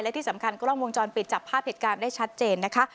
และที่สำคัญกล้องวงจรปิดจับภาพเหตุการณ์ได้ชัดเจนนะคะ